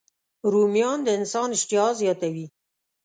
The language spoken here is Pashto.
رومیان د انسان اشتها زیاتوي